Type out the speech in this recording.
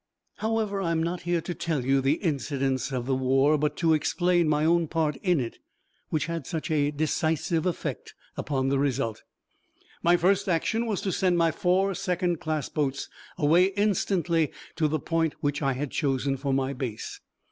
However, I am not here to tell you the incidents of the war, but to explain my own part in it, which had such a decisive effect upon the result. My first action was to send my four second class boats away instantly to the point which I had chosen for my base.